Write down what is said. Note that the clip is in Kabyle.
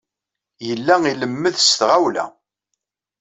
Yella ilemmed s tɣawla.